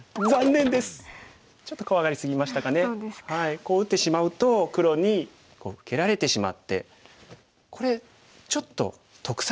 こう打ってしまうと黒に受けられてしまってこれちょっと得されてるんですね。